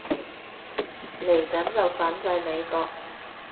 嚟緊就反制美國